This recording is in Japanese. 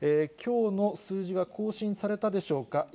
きょうの数字は更新されたでしょうか。